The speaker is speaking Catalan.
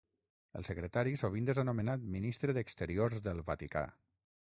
El secretari sovint és anomenat ministre d'exteriors del Vaticà.